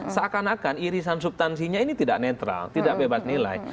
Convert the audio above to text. seakan akan irisan subtansinya ini tidak netral tidak bebas nilai